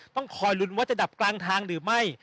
ต้องคอยลุ้นว่าจะดับกลางทางหรือไม่